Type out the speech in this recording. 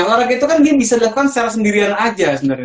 olahraga itu kan bisa dilakukan secara sendirian aja sebenarnya